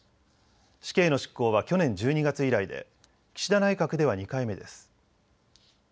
死刑の執行は去年１２月以来で岸田内閣では２回目です。